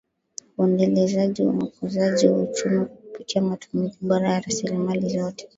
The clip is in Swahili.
Uendelezaji na ukuzaji wa uchumi kwa kupitia matumizi bora ya rasilimali zote